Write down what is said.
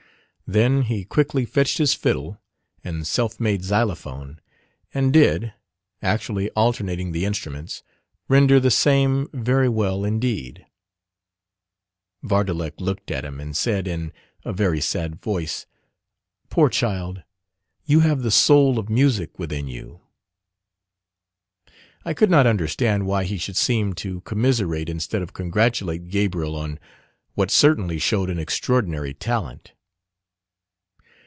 Then he quickly fetched his fiddle and self made xylophone, and did, actually alternating the instruments, render the same very well indeed. Vardalek looked at him, and said in a very sad voice, "Poor child! you have the soul of music within you." I could not understand why he should seem to commiserate instead of congratulate Gabriel on what certainly showed an extraordinary talent.